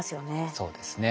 そうですね。